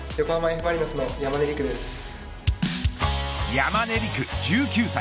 山根陸１９歳。